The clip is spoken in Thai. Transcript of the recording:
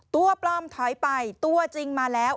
ตัวปลอมถอยไปตัวจริงมาแล้ว